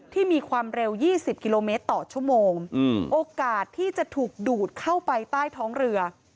มีความเร็ว๒๐กิโลเมตรต่อชั่วโมงโอกาสที่จะถูกดูดเข้าไปใต้ท้องเรือ